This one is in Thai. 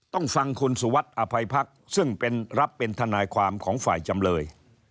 ต้องฟังคุณสุวัสดิอภัยพักษ์ซึ่งรับเป็นทนายความของฝ่ายจำเลย